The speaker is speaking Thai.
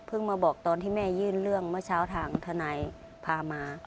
มาบอกตอนที่แม่ยื่นเรื่องเมื่อเช้าทางทนายพามา